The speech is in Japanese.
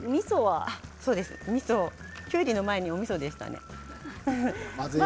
きゅうりの前におみそでしたね。